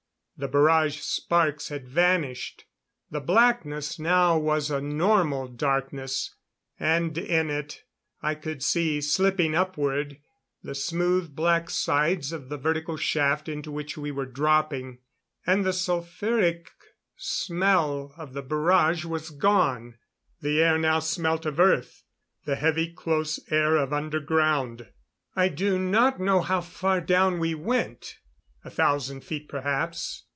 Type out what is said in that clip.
The barrage sparks had vanished. The blackness now was a normal darkness; and in it I could see slipping upward the smooth black sides of the vertical shaft into which we were dropping. And the sulphuric smell of the barrage was gone. The air now smelt of earth the heavy, close air of underground. I do not know how far down we went. A thousand feet perhaps.